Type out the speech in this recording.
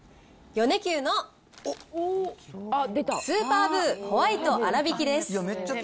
米久のスーパーブーホワイトあらびきです。